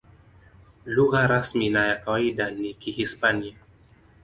Lugha rasmi na ya kawaida ni Kihispania.